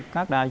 các đại học